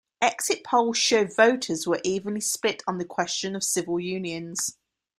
Exit polls showed voters were evenly split on the question of civil unions.